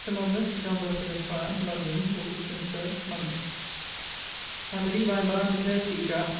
LOVELACE, TO JOHN BELFORD, ESQ. LONDON, AUG. 21, MONDAY. I believe I am bound to curse thee, Jack.